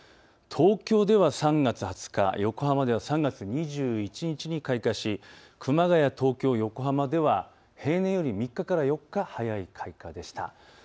東京では３月２０日、横浜では３月２１日に開花し熊谷、東京、横浜では、平年より３日から４日早い開花でした。